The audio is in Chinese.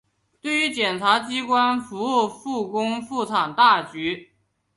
对于检察机关服务复工复产大局